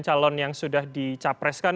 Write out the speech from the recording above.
calon yang sudah dicapreskan